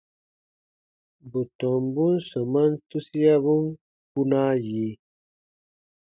Bù tɔmbun sɔmaan tusiabun kpunaa yi.